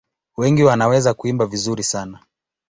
Wengi wanaweza kuimba vizuri sana.